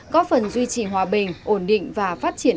góp phần duy trì hòa bình ổn định và phát triển